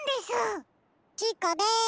チコでーす。